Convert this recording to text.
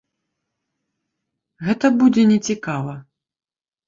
Гэта будзе не цікава.